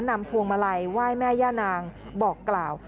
พวงมาลัยไหว้แม่ย่านางบอกกล่าว